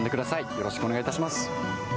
よろしくお願いします。